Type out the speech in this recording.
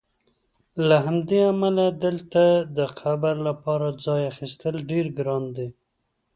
له همدې امله دلته د قبر لپاره ځای اخیستل ډېر ګران دي.